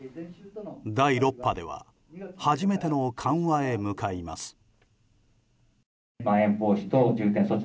第６波では初めての緩和へ向かいます。